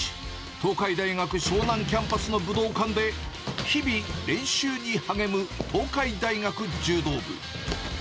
東海大学湘南キャンパスの武道館で、日々、練習に励む東海大学柔道部。